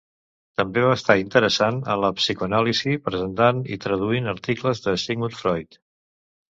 També va estar interessant en la psicoanàlisi, presentant i traduint articles de Sigmund Freud.